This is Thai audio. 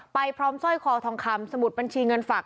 พร้อมสร้อยคอทองคำสมุดบัญชีเงินฝาก